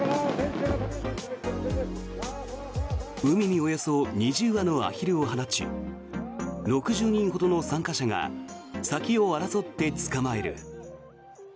海におよそ２０羽のアヒルを放ち６０人ほどの参加者が先を争って捕まえる。